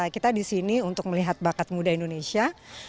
kita di sini untuk melihat bakat muda indonesia